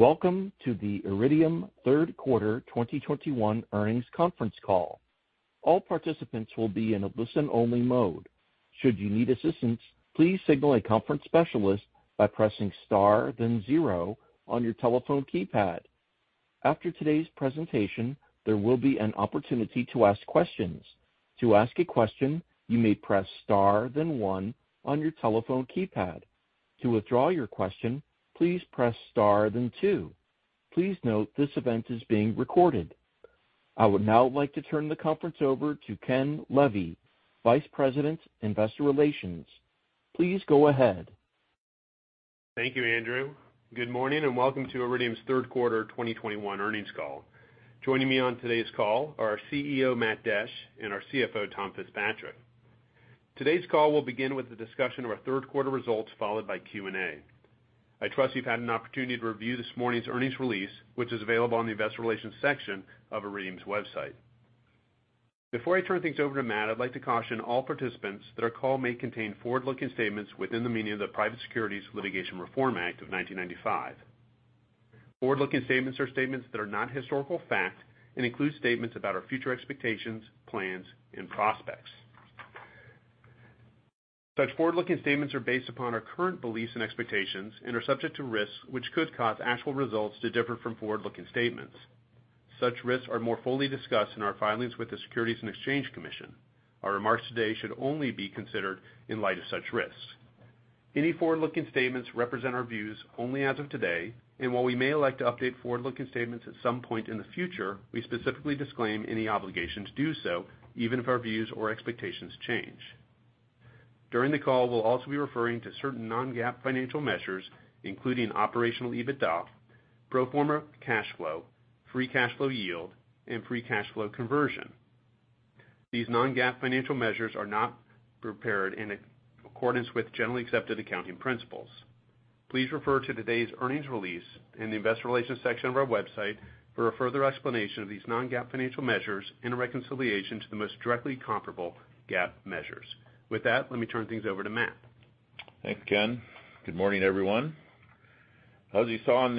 Welcome to the Iridium third quarter 2021 earnings conference call. All participants will be in a listen-only mode. Should you need assistance, please signal a conference specialist by pressing star then zero on your telephone keypad. After today's presentation, there will be an opportunity to ask questions. To ask a question, you may press star then one on your telephone keypad. To withdraw your question, please press star then two. Please note this event is being recorded. I would now like to turn the conference over to Ken Levy, Vice President, Investor Relations. Please go ahead. Thank you, Andrew. Good morning and welcome to Iridium's third quarter 2021 earnings call. Joining me on today's call are our CEO, Matt Desch, and our CFO, Tom Fitzpatrick. Today's call will begin with a discussion of our third quarter results, followed by Q&A. I trust you've had an opportunity to review this morning's earnings release, which is available on the investor relations section of Iridium's website. Before I turn things over to Matt, I'd like to caution all participants that our call may contain forward-looking statements within the meaning of the Private Securities Litigation Reform Act of 1995. Forward-looking statements are statements that are not historical fact and include statements about our future expectations, plans and prospects. Such forward-looking statements are based upon our current beliefs and expectations and are subject to risks which could cause actual results to differ from forward-looking statements. Such risks are more fully discussed in our filings with the Securities and Exchange Commission. Our remarks today should only be considered in light of such risks. Any forward-looking statements represent our views only as of today, and while we may elect to update forward-looking statements at some point in the future, we specifically disclaim any obligation to do so, even if our views or expectations change. During the call, we'll also be referring to certain non-GAAP financial measures, including Operational EBITDA, pro forma cash flow, free cash flow yield, and free cash flow conversion. These non-GAAP financial measures are not prepared in accordance with generally accepted accounting principles. Please refer to today's earnings release in the investor relations section of our website for a further explanation of these non-GAAP financial measures and a reconciliation to the most directly comparable GAAP measures. With that, let me turn things over to Matt. Thanks, Ken. Good morning, everyone. As you saw in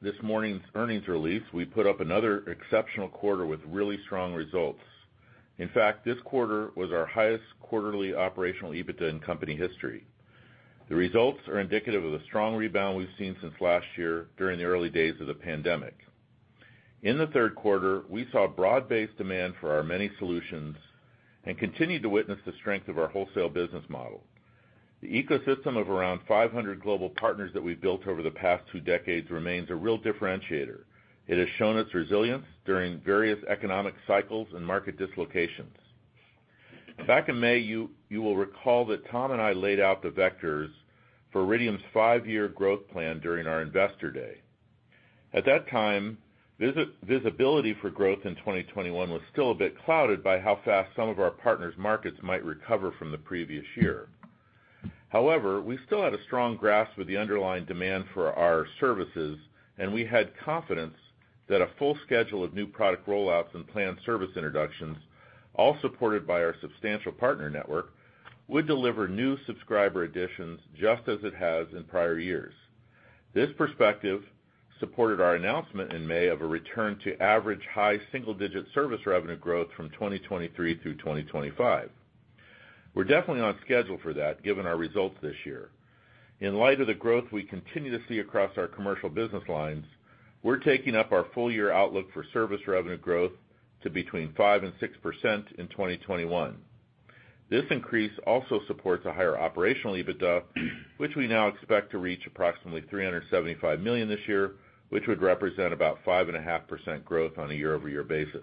this morning's earnings release, we put up another exceptional quarter with really strong results. In fact, this quarter was our highest quarterly Operational EBITDA in company history. The results are indicative of the strong rebound we've seen since last year during the early days of the pandemic. In the third quarter, we saw broad-based demand for our many solutions and continued to witness the strength of our wholesale business model. The ecosystem of around 500 global partners that we've built over the past two decades remains a real differentiator. It has shown its resilience during various economic cycles and market dislocations. Back in May, you will recall that Tom and I laid out the vectors for Iridium's five-year growth plan during our Investor Day. At that time, visibility for growth in 2021 was still a bit clouded by how fast some of our partners' markets might recover from the previous year. We still had a strong grasp of the underlying demand for our services, and we had confidence that a full schedule of new product roll-outs and planned service introductions, all supported by our substantial partner network, would deliver new subscriber additions just as it has in prior years. This perspective supported our announcement in May of a return to average high single-digit service revenue growth from 2023 through 2025. We're definitely on schedule for that, given our results this year. In light of the growth we continue to see across our commercial business lines, we're taking up our full-year outlook for service revenue growth to between 5% and 6% in 2021. This increase also supports a higher Operational EBITDA, which we now expect to reach approximately $375 million this year, which would represent about 5.5% growth on a year-over-year basis.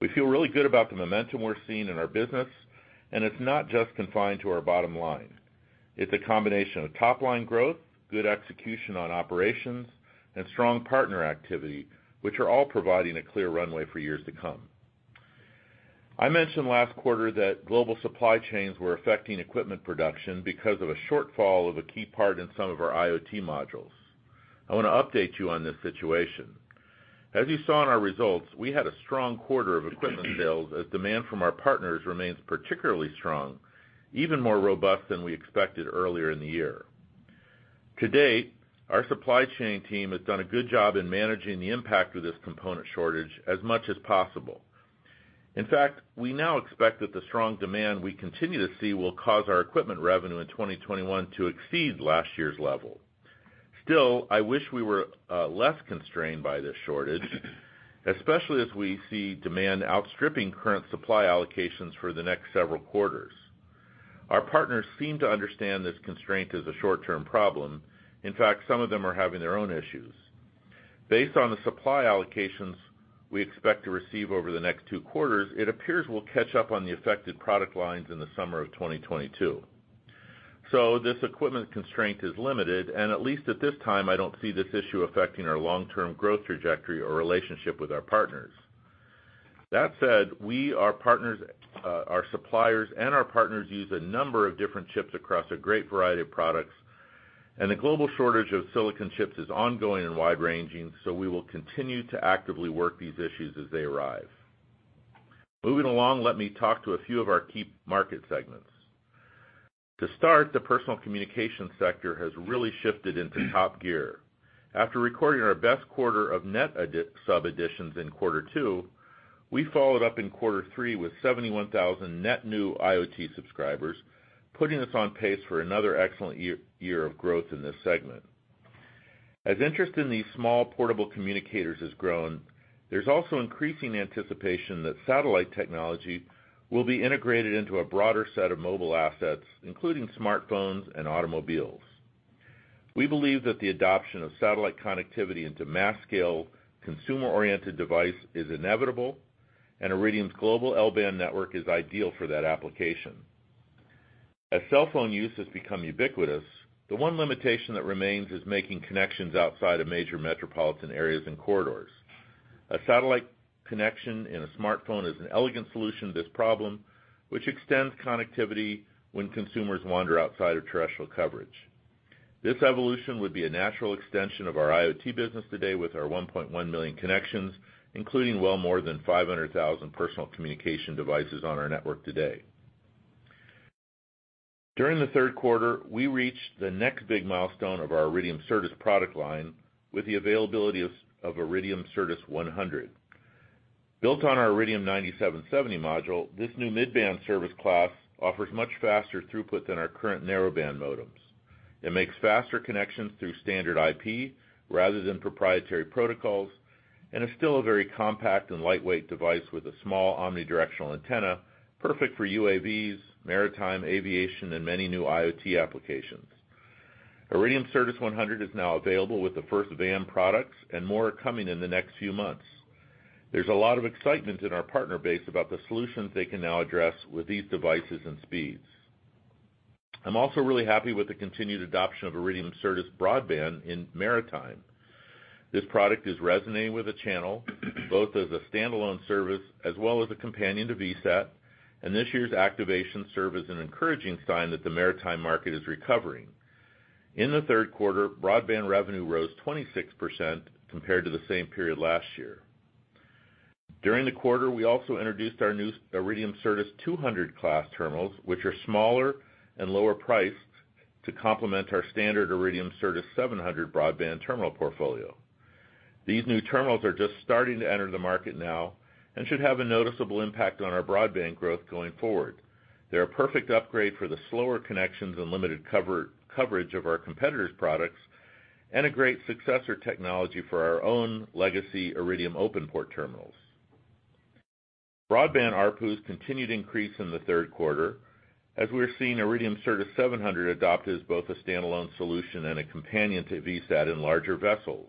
We feel really good about the momentum we're seeing in our business, and it's not just confined to our bottom line. It's a combination of top-line growth, good execution on operations, and strong partner activity, which are all providing a clear runway for years to come. I mentioned last quarter that global supply chains were affecting equipment production because of a shortfall of a key part in some of our IoT modules. I want to update you on this situation. As you saw in our results, we had a strong quarter of equipment sales as demand from our partners remains particularly strong, even more robust than we expected earlier in the year. To date, our supply chain team has done a good job in managing the impact of this component shortage as much as possible. In fact, we now expect that the strong demand we continue to see will cause our equipment revenue in 2021 to exceed last year's level. Still, I wish we were less constrained by this shortage, especially as we see demand outstripping current supply allocations for the next several quarters. Our partners seem to understand this constraint as a short-term problem. In fact, some of them are having their own issues. Based on the supply allocations we expect to receive over the next two quarters, it appears we'll catch up on the affected product lines in the summer of 2022. This equipment constraint is limited, and at least at this time, I don't see this issue affecting our long-term growth trajectory or relationship with our partners. That said, our suppliers and our partners use a number of different chips across a great variety of products, and the global shortage of silicon chips is ongoing and wide-ranging, so we will continue to actively work these issues as they arise. Moving along, let me talk to a few of our key market segments. To start, the personal communication sector has really shifted into top gear. After recording our best quarter of net sub additions in quarter two, we followed up in quarter three with 71,000 net new IoT subscribers, putting us on pace for another excellent year of growth in this segment. As interest in these small portable communicators has grown, there is also increasing anticipation that satellite technology will be integrated into a broader set of mobile assets, including smartphones and automobiles. We believe that the adoption of satellite connectivity into mass-scale, consumer-oriented device is inevitable, and Iridium's global L-band network is ideal for that application. As cell phone use has become ubiquitous, the one limitation that remains is making connections outside of major metropolitan areas and corridors. A satellite connection in a smartphone is an elegant solution to this problem, which extends connectivity when consumers wander outside of terrestrial coverage. This evolution would be a natural extension of our IoT business today with our 1.1 million connections, including well more than 500,000 personal communication devices on our network today. During the third quarter, we reached the next big milestone of our Iridium Certus product line with the availability of Iridium Certus 100. Built on our Iridium 9770 module, this new mid-band service class offers much faster throughput than our current narrowband modems. It makes faster connections through standard IP rather than proprietary protocols and is still a very compact and lightweight device with a small omnidirectional antenna, perfect for UAVs, maritime, aviation, and many new IoT applications. Iridium Certus 100 is now available with the first VAM products. More are coming in the next few months. There's a lot of excitement in our partner base about the solutions they can now address with these devices and speeds. I'm also really happy with the continued adoption of Iridium Certus Broadband in maritime. This product is resonating with the channel, both as a standalone service as well as a companion to VSAT. This year's activations serve as an encouraging sign that the maritime market is recovering. In the third quarter, broadband revenue rose 26% compared to the same period last year. During the quarter, we also introduced our new Iridium Certus 200 class terminals, which are smaller and lower priced to complement our standard Iridium Certus 700 broadband terminal portfolio. These new terminals are just starting to enter the market now and should have a noticeable impact on our broadband growth going forward. They're a perfect upgrade for the slower connections and limited coverage of our competitors' products and a great successor technology for our own legacy Iridium OpenPort terminals. Broadband ARPUs continued increase in the third quarter, as we're seeing Iridium Certus 700 adopted as both a standalone solution and a companion to VSAT in larger vessels.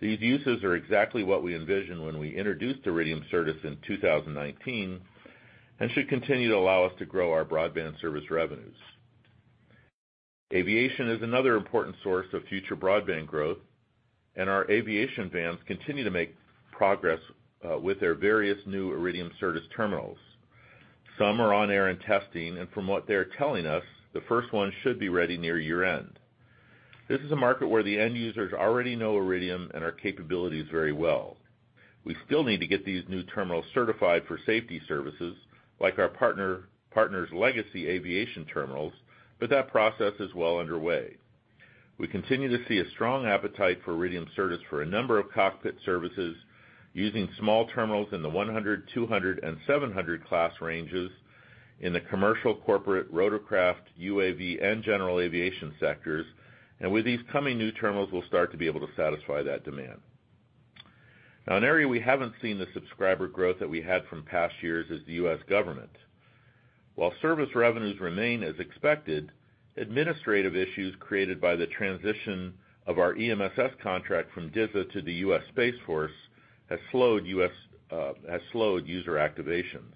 These uses are exactly what we envisioned when we introduced Iridium Certus in 2019 and should continue to allow us to grow our broadband service revenues. Aviation is another important source of future broadband growth. Our aviation VAMs continue to make progress with their various new Iridium Certus terminals. Some are on air and testing. From what they're telling us, the first one should be ready near year-end. This is a market where the end users already know Iridium and our capabilities very well. We still need to get these new terminals certified for safety services, like our partners' legacy aviation terminals. That process is well underway. We continue to see a strong appetite for Iridium Certus for a number of cockpit services using small terminals in the 100, 200, and 700 class ranges in the commercial, corporate, rotorcraft, UAV, and general aviation sectors. With these coming new terminals, we'll start to be able to satisfy that demand. An area we haven't seen the subscriber growth that we had from past years is the U.S. government. While service revenues remain as expected, administrative issues created by the transition of our EMSS contract from DISA to the U.S. Space Force has slowed user activations.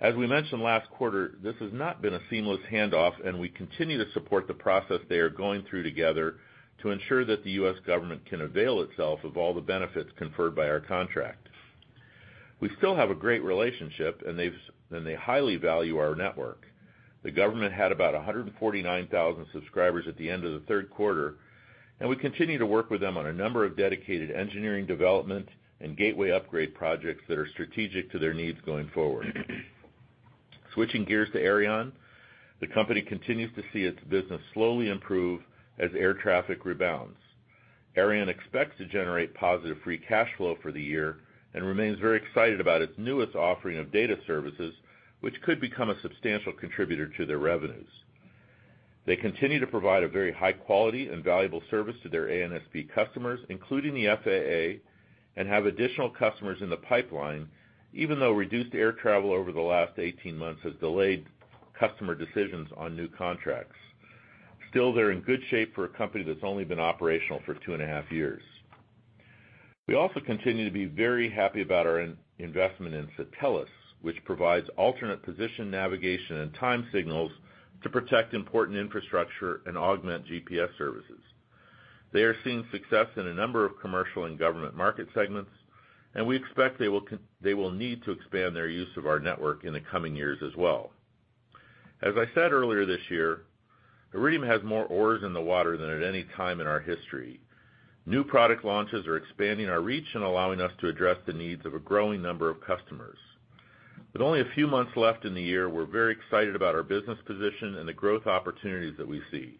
As we mentioned last quarter, this has not been a seamless handoff, and we continue to support the process they are going through together to ensure that the U.S. government can avail itself of all the benefits conferred by our contract. We still have a great relationship, and they highly value our network. The government had about 149,000 subscribers at the end of the third quarter, and we continue to work with them on a number of dedicated engineering development and gateway upgrade projects that are strategic to their needs going forward. Switching gears to Aireon, the company continues to see its business slowly improve as air traffic rebounds. Aireon expects to generate positive free cash flow for the year and remains very excited about its newest offering of data services, which could become a substantial contributor to their revenues. They continue to provide a very high quality and valuable service to their ANSP customers, including the FAA, and have additional customers in the pipeline, even though reduced air travel over the last 18 months has delayed customer decisions on new contracts. They're in good shape for a company that's only been operational for 2.5 years. We also continue to be very happy about our investment in Satelles, which provides alternate position navigation and time signals to protect important infrastructure and augment GPS services. They are seeing success in a number of commercial and government market segments, and we expect they will need to expand their use of our network in the coming years as well. As I said earlier this year, Iridium has more oars in the water than at any time in our history. New product launches are expanding our reach and allowing us to address the needs of a growing number of customers. With only a few months left in the year, we're very excited about our business position and the growth opportunities that we see.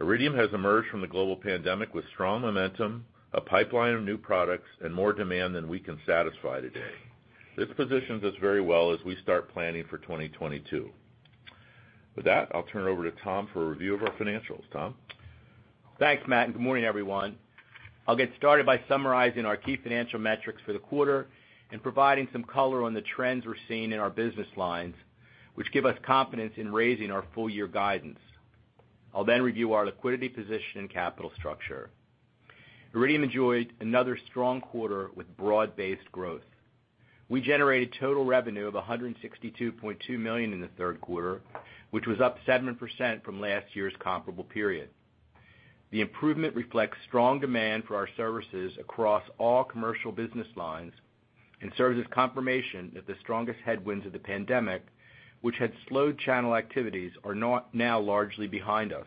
Iridium has emerged from the global pandemic with strong momentum, a pipeline of new products, and more demand than we can satisfy today. This positions us very well as we start planning for 2022. With that, I'll turn it over to Tom for a review of our financials. Tom? Thanks, Matt, good morning, everyone. I'll get started by summarizing our key financial metrics for the quarter and providing some color on the trends we're seeing in our business lines, which give us confidence in raising our full-year guidance. I'll review our liquidity position and capital structure. Iridium enjoyed another strong quarter with broad-based growth. We generated total revenue of $162.2 million in the third quarter, which was up 7% from last year's comparable period. The improvement reflects strong demand for our services across all commercial business lines and serves as confirmation that the strongest headwinds of the pandemic, which had slowed channel activities, are now largely behind us.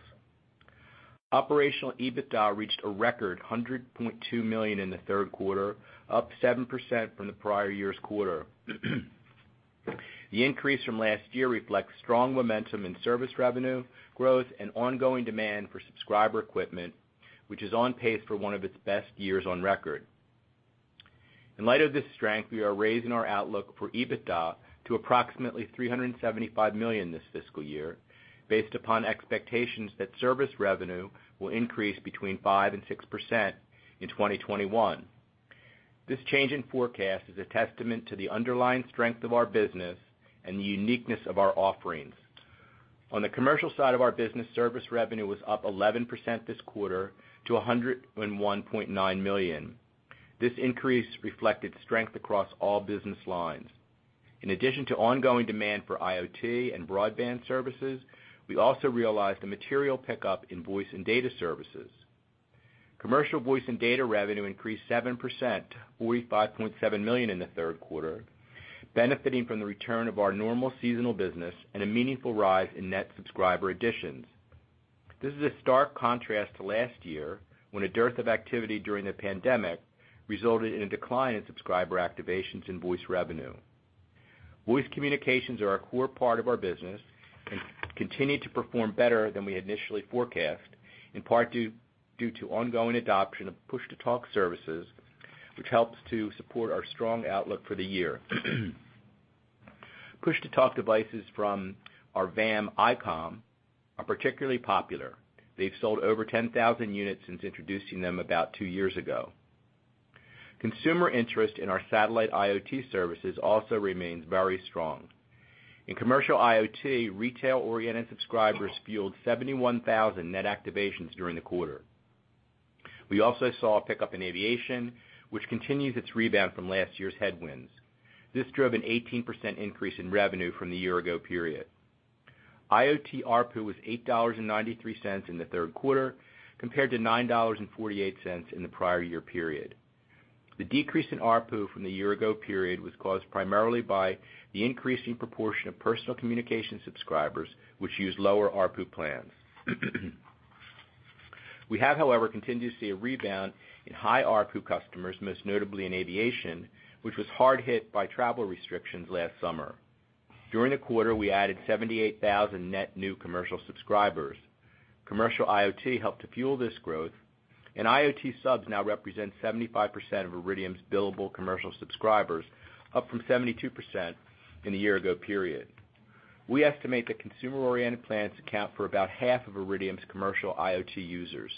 Operational EBITDA reached a record $100.2 million in the third quarter, up 7% from the prior year's quarter. The increase from last year reflects strong momentum in service revenue growth and ongoing demand for subscriber equipment, which is on pace for one of its best years on record. In light of this strength, we are raising our outlook for EBITDA to approximately $375 million this fiscal year, based upon expectations that service revenue will increase between 5% and 6% in 2021. This change in forecast is a testament to the underlying strength of our business and the uniqueness of our offerings. On the commercial side of our business, service revenue was up 11% this quarter to $101.9 million. This increase reflected strength across all business lines. In addition to ongoing demand for IoT and broadband services, we also realized a material pickup in voice and data services. Commercial voice and data revenue increased 7%, $45.7 million in the third quarter, benefiting from the return of our normal seasonal business and a meaningful rise in net subscriber additions. This is a stark contrast to last year, when a dearth of activity during the pandemic resulted in a decline in subscriber activations and voice revenue. Voice communications are a core part of our business and continue to perform better than we had initially forecast, in part due to ongoing adoption of push-to-talk services, which helps to support our strong outlook for the year. Push-to-talk devices from our VAM Icom are particularly popular. They've sold over 10,000 units since introducing them about two years ago. Consumer interest in our satellite IoT services also remains very strong. In commercial IoT, retail-oriented subscribers fueled 71,000 net activations during the quarter. We also saw a pickup in aviation, which continues its rebound from last year's headwinds. This drove an 18% increase in revenue from the year ago period. IoT ARPU was $8.93 in the third quarter, compared to $9.48 in the prior year period. The decrease in ARPU from the year ago period was caused primarily by the increasing proportion of personal communication subscribers, which use lower ARPU plans. We have, however, continued to see a rebound in high ARPU customers, most notably in aviation, which was hard hit by travel restrictions last summer. During the quarter, we added 78,000 net new commercial subscribers. Commercial IoT helped to fuel this growth, and IoT subs now represent 75% of Iridium's billable commercial subscribers, up from 72% in the year ago period. We estimate that consumer-oriented plans account for about half of Iridium's commercial IoT users.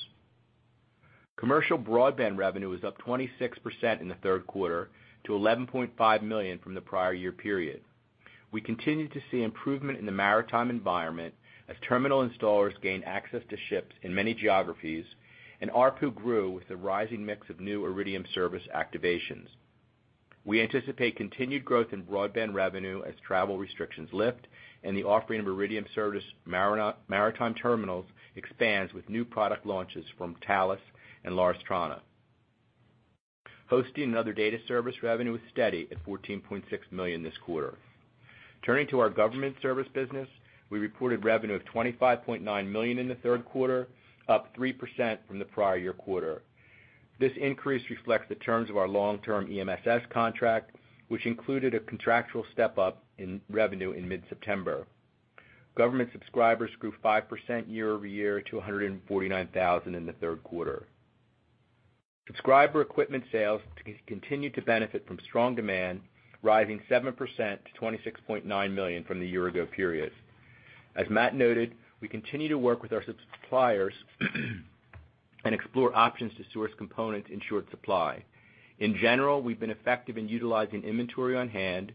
Commercial broadband revenue was up 26% in the third quarter to $11.5 million from the prior year period. We continue to see improvement in the maritime environment as terminal installers gain access to ships in many geographies, and ARPU grew with the rising mix of new Iridium service activations. We anticipate continued growth in broadband revenue as travel restrictions lift and the offering of Iridium service maritime terminals expands with new product launches from Thales and Lars Thrane. Hosting and other data service revenue was steady at $14.6 million this quarter. Turning to our government service business, we reported revenue of $25.9 million in the third quarter, up 3% from the prior year quarter. This increase reflects the terms of our long-term EMSS contract, which included a contractual step-up in revenue in mid-September. Government subscribers grew 5% year-over-year to 149,000 in the third quarter. Subscriber equipment sales continued to benefit from strong demand, rising 7% to $26.9 million from the year ago period. As Matt noted, we continue to work with our suppliers and explore options to source components in short supply. In general, we've been effective in utilizing inventory on hand,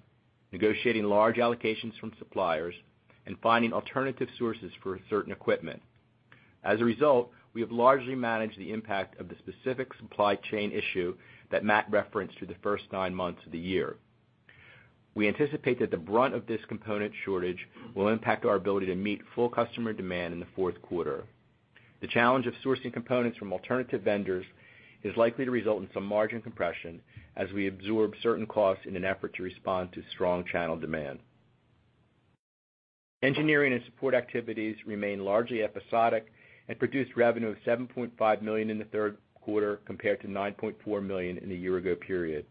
negotiating large allocations from suppliers, and finding alternative sources for certain equipment. As a result, we have largely managed the impact of the specific supply chain issue that Matt referenced through the first nine months of the year. We anticipate that the brunt of this component shortage will impact our ability to meet full customer demand in the fourth quarter. The challenge of sourcing components from alternative vendors is likely to result in some margin compression as we absorb certain costs in an effort to respond to strong channel demand. Engineering and support activities remain largely episodic and produced revenue of $7.5 million in the third quarter compared to $9.4 million in the year ago period.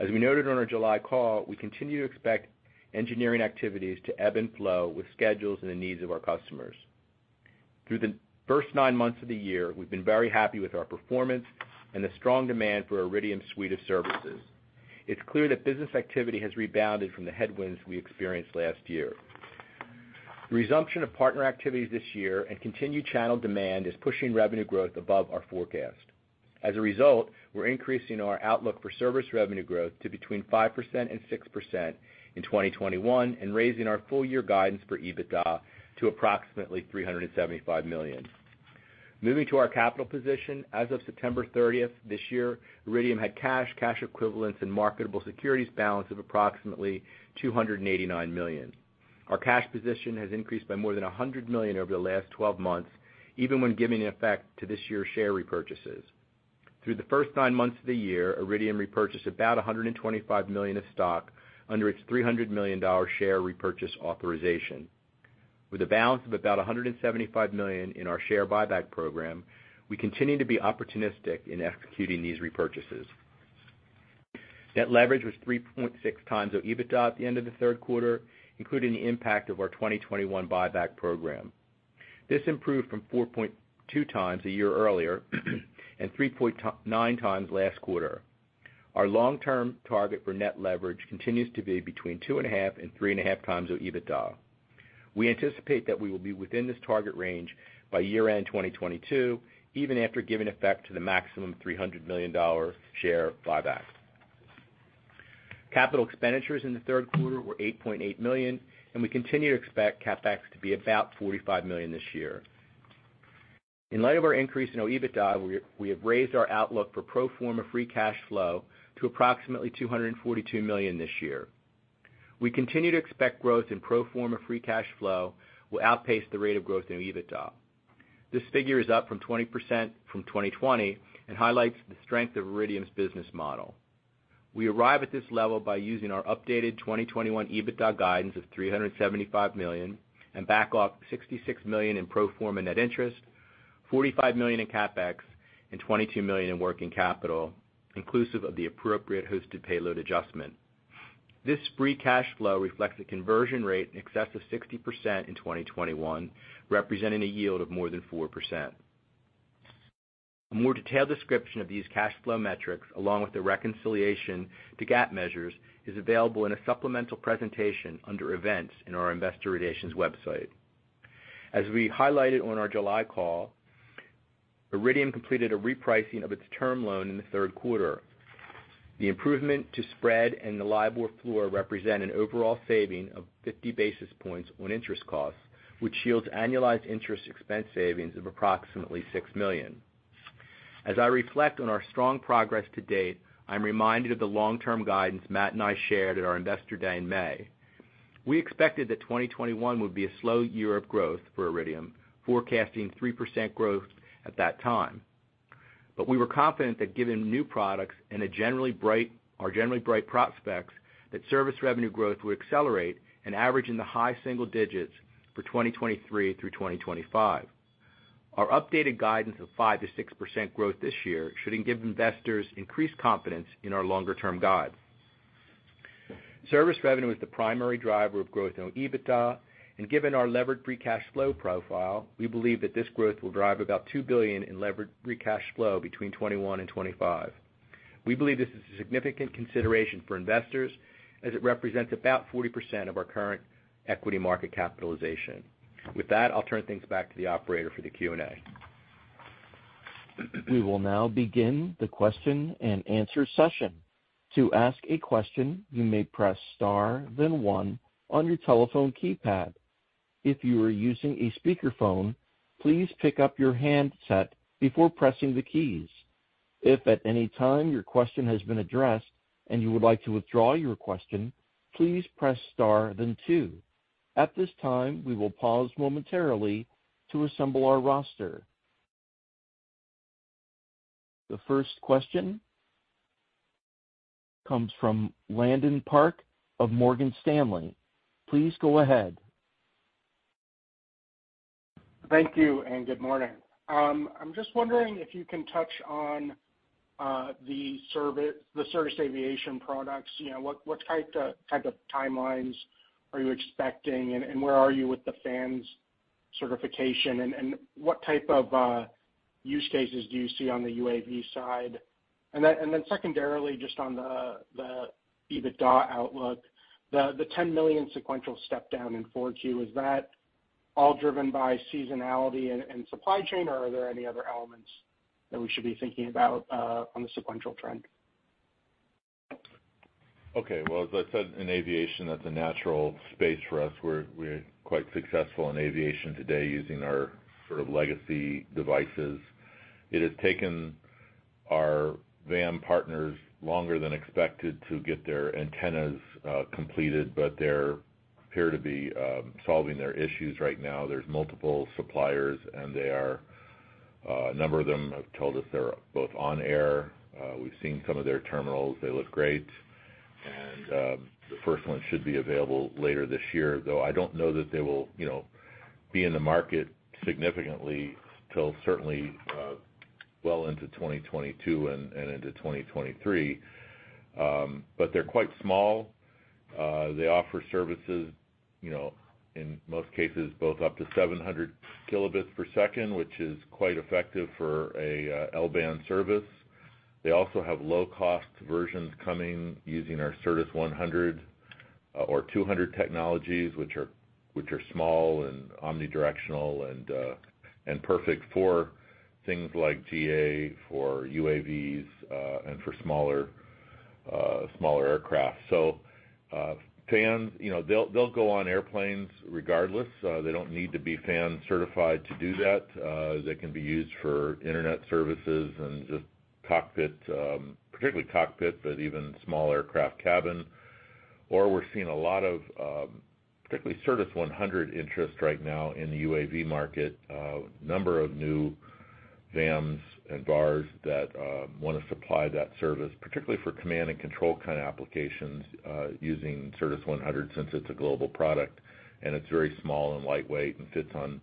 As we noted on our July call, we continue to expect engineering activities to ebb and flow with schedules and the needs of our customers. Through the first nine months of the year, we've been very happy with our performance and the strong demand for Iridium's suite of services. It's clear that business activity has rebounded from the headwinds we experienced last year. The resumption of partner activities this year and continued channel demand is pushing revenue growth above our forecast. As a result, we're increasing our outlook for service revenue growth to between 5% and 6% in 2021 and raising our full-year guidance for EBITDA to approximately $375 million. Moving to our capital position, as of September 30th this year, Iridium had cash equivalents and marketable securities balance of approximately $289 million. Our cash position has increased by more than $100 million over the last 12 months, even when giving effect to this year's share repurchases. Through the first nine months of the year, Iridium repurchased about $125 million of stock under its $300 million share repurchase authorization. With a balance of about $175 million in our share buyback program, we continue to be opportunistic in executing these repurchases. Net leverage was 3.6x our EBITDA at the end of the third quarter, including the impact of our 2021 buyback program. This improved from 4.2x a year earlier and 3.9x last quarter. Our long-term target for net leverage continues to be between 2.5x and 3.5x our EBITDA. We anticipate that we will be within this target range by year-end 2022, even after giving effect to the maximum $300 million share buybacks. Capital expenditures in the third quarter were $8.8 million, and we continue to expect CapEx to be about $45 million this year. In light of our increase in our EBITDA, we have raised our outlook for pro forma free cash flow to approximately $242 million this year. We continue to expect growth in pro forma free cash flow will outpace the rate of growth in our EBITDA. This figure is up from 20% from 2020 and highlights the strength of Iridium's business model. We arrive at this level by using our updated 2021 EBITDA guidance of $375 million and back off $66 million in pro forma net interest, $45 million in CapEx and $22 million in working capital, inclusive of the appropriate hosted payload adjustment. This free cash flow reflects a conversion rate in excess of 60% in 2021, representing a yield of more than 4%. A more detailed description of these cash flow metrics, along with the reconciliation to GAAP measures, is available in a supplemental presentation under Events in our investor relations website. As we highlighted on our July call, Iridium completed a repricing of its term loan in the third quarter. The improvement to spread and the LIBOR floor represent an overall saving of 50 basis points on interest costs, which yields annualized interest expense savings of approximately $6 million. As I reflect on our strong progress to date, I'm reminded of the long-term guidance Matt and I shared at our Investor Day in May. We expected that 2021 would be a slow year of growth for Iridium, forecasting 3% growth at that time. We were confident that given new products and our generally bright prospects, that service revenue growth would accelerate and average in the high single digits for 2023 through 2025. Our updated guidance of 5%-6% growth this year should give investors increased confidence in our longer-term guide. Service revenue is the primary driver of growth in our EBITDA, and given our levered free cash flow profile, we believe that this growth will drive about $2 billion in levered free cash flow between 2021 and 2025. We believe this is a significant consideration for investors, as it represents about 40% of our current equity market capitalization. With that, I'll turn things back to the operator for the Q&A. We will now begin the question-and-answer session. To ask a question, you may press star then one on your telephone keypad. If you are using a speakerphone, please pick up your handset before pressing the keys. If at any time your question has been addressed and you would like to withdraw your question, please press star then two. At this time, we will pause momentarily to assemble our roster. The first question comes from Landon Park of Morgan Stanley. Please go ahead. Thank you, and good morning. I'm just wondering if you can touch on the service aviation products. What type of timelines are you expecting, and where are you with the FANS certification, and what type of use cases do you see on the UAV side? Secondarily, just on the EBITDA outlook, the $10 million sequential step down in 4Q, is that all driven by seasonality and supply chain, or are there any other elements that we should be thinking about on the sequential trend? Okay. Well, as I said, in aviation, that's a natural space for us. We're quite successful in aviation today using our sort of legacy devices. It has taken our VAM partners longer than expected to get their antennas completed, but they appear to be solving their issues right now. There's multiple suppliers, a number of them have told us they're both on air. We've seen some of their terminals. They look great. The first one should be available later this year, though I don't know that they will be in the market significantly till certainly well into 2022 and into 2023. They're quite small. They offer services, in most cases, both up to 700 Kbps, which is quite effective for a L-band service. They also have low-cost versions coming using our Certus 100 or 200 technologies, which are small and omnidirectional and perfect for things like GA, for UAVs, and for smaller aircraft. FANS, they'll go on airplanes regardless. They don't need to be FANS certified to do that. They can be used for internet services and just cockpit, particularly cockpit, but even small aircraft cabin. We're seeing a lot of, particularly Certus 100 interest right now in the UAV market. A number of new VAMs and VARs that want to supply that service, particularly for command and control kind of applications, using Certus 100, since it's a global product and it's very small and lightweight and fits on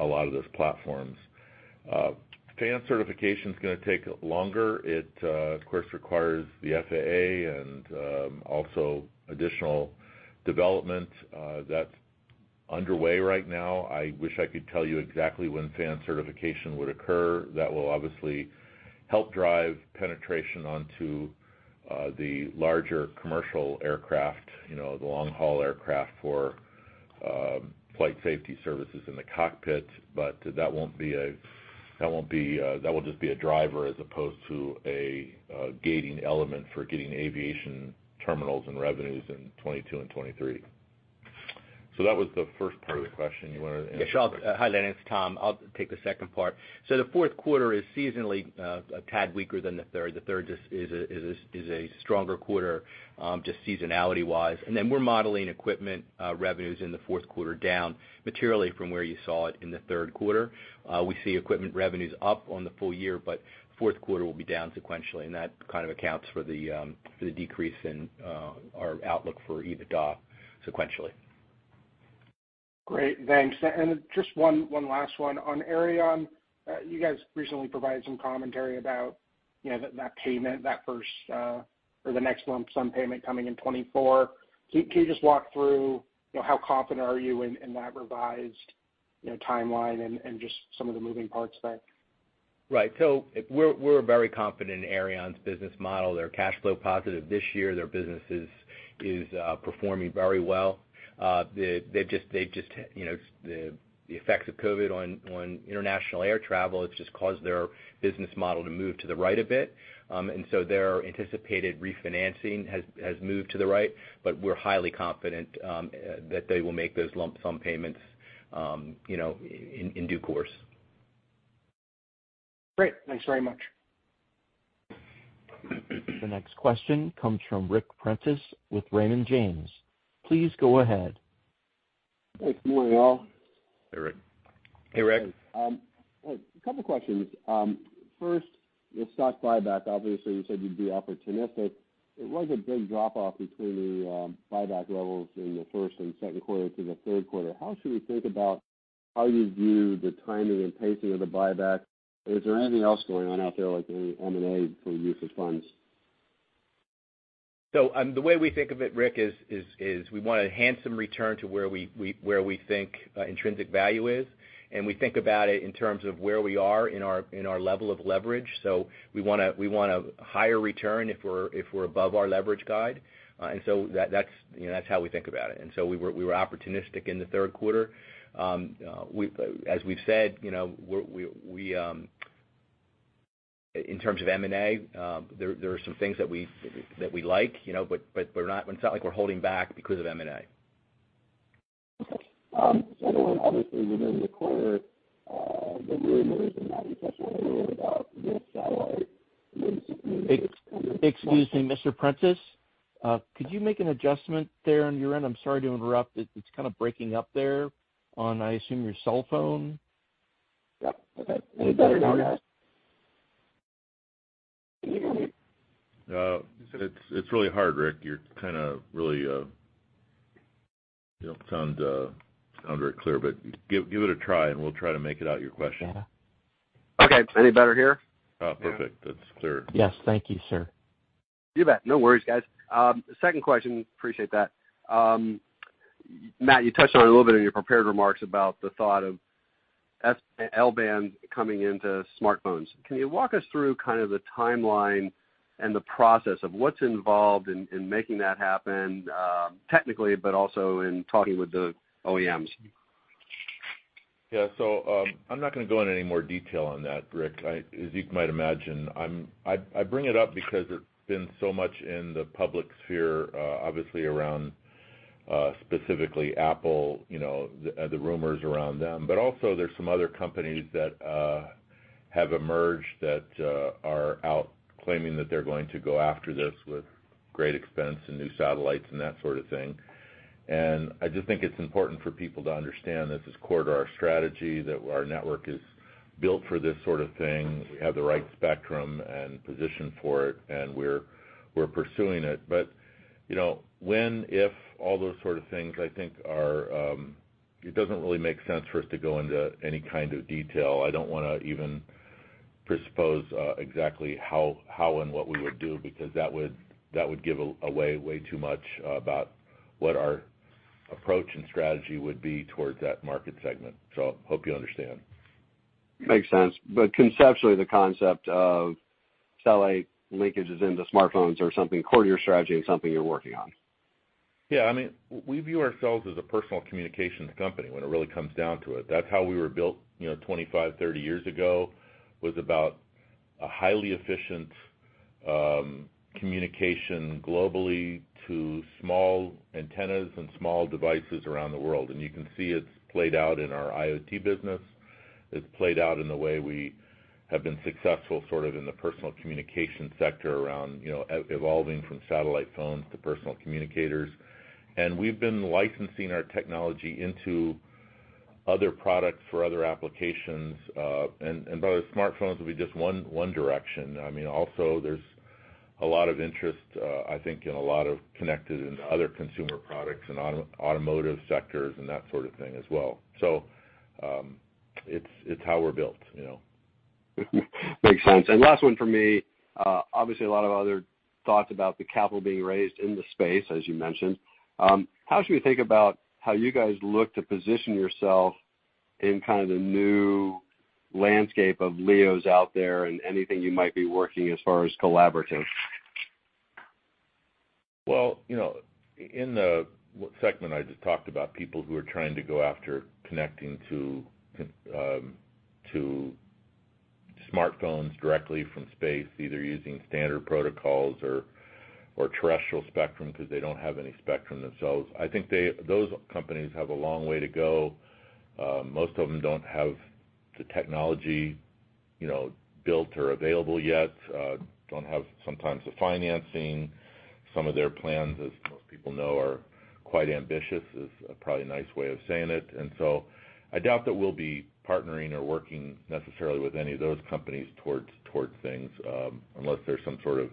a lot of those platforms. FANS certification's going to take longer. It, of course, requires the FAA and also additional development. That's underway right now. I wish I could tell you exactly when FAN certification would occur. That will obviously help drive penetration onto the larger commercial aircraft, the long-haul aircraft for flight safety services in the cockpit. That will just be a driver as opposed to a gating element for getting aviation terminals and revenues in 2022 and 2023. That was the first part of the question. You want to answer the. Sure. Hi, Landon, it's Tom. I'll take the second part. The fourth quarter is seasonally a tad weaker than the third. The third just is a stronger quarter, just seasonality-wise. We're modeling equipment revenues in the fourth quarter down materially from where you saw it in the third quarter. We see equipment revenues up on the full year, but fourth quarter will be down sequentially, and that kind of accounts for the decrease in our outlook for EBITDA sequentially. Great, thanks. Just one last one. On Aireon, you guys recently provided some commentary about that payment, that first or the next lump sum payment coming in 2024. Can you just walk through how confident are you in that revised timeline and just some of the moving parts there? Right. We're very confident in Aireon's business model. They're cash flow positive this year. Their business is performing very well. The effects of COVID on international air travel has just caused their business model to move to the right a bit. Their anticipated refinancing has moved to the right, but we're highly confident that they will make those lump sum payments in due course. Great. Thanks very much. The next question comes from Ric Prentiss with Raymond James. Please go ahead. Thanks. Good morning, all. Hey, Ric. Hey, Ric. A couple of questions. First, the stock buyback. Obviously, you said you'd be opportunistic. It was a big drop-off between the buyback levels in the first and second quarter to the third quarter. How should we think about how you view the timing and pacing of the buyback? Is there anything else going on out there, like any M&A for use of funds? The way we think of it, Ric, is we want to enhance some return to where we think intrinsic value is, and we think about it in terms of where we are in our level of leverage. We want a higher return if we're above our leverage guide. That's how we think about it. We were opportunistic in the third quarter. As we've said, in terms of M&A, there are some things that we like, but it's not like we're holding back because of M&A. Okay. I know obviously within the quarter, the rumors and Matt, you touched on it a little bit about the satellite. Excuse me, Mr. Prentiss. Could you make an adjustment there on your end? I'm sorry to interrupt. It's kind of breaking up there on, I assume, your cell phone. Yep. Okay. Any better now, guys? Can you hear me? It's really hard, Ric. You don't sound very clear, but give it a try, and we'll try to make it out, your question. Okay. Any better here? Oh, perfect. That's clear. Yes. Thank you, sir. You bet. No worries, guys. Second question. Appreciate that. Matt, you touched on it a little bit in your prepared remarks about the thought of L-band coming into smartphones. Can you walk us through kind of the timeline and the process of what's involved in making that happen technically, but also in talking with the OEMs? I'm not going to go into any more detail on that, Ric. As you might imagine, I bring it up because it's been so much in the public sphere, obviously around, specifically Apple, the rumors around them. Also there's some other companies that have emerged that are out claiming that they're going to go after this with great expense and new satellites and that sort of thing. I just think it's important for people to understand this is core to our strategy, that our network is built for this sort of thing. We have the right spectrum and position for it, and we're pursuing it. When, if, all those sort of things, I think it doesn't really make sense for us to go into any kind of detail. I don't want to even presuppose exactly how and what we would do, because that would give away way too much about what our approach and strategy would be towards that market segment. I hope you understand. Makes sense. Conceptually, the concept of satellite linkages into smartphones are something core to your strategy and something you're working on. Yeah. We view ourselves as a personal communications company when it really comes down to it. That's how we were built 25, 30 years ago, was about a highly efficient communication globally to small antennas and small devices around the world. You can see it's played out in our IoT business. It's played out in the way we have been successful in the personal communication sector around evolving from satellite phones to personal communicators. We've been licensing our technology into other products for other applications. By the way, smartphones will be just one direction. Also there's a lot of interest, I think, in a lot of connected and other consumer products and automotive sectors and that sort of thing as well. It's how we're built. Makes sense. Last one from me. Obviously, a lot of other thoughts about the capital being raised in the space, as you mentioned. How should we think about how you guys look to position yourself in kind of the new landscape of LEOs out there and anything you might be working as far as collaborative? Well, in the segment I just talked about, people who are trying to go after connecting to smartphones directly from space, either using standard protocols or terrestrial spectrum because they don't have any spectrum themselves. I think those companies have a long way to go. Most of them don't have the technology built or available yet, don't have sometimes the financing. Some of their plans, as most people know, are quite ambitious, is a probably nice way of saying it. I doubt that we'll be partnering or working necessarily with any of those companies towards things, unless there's some sort of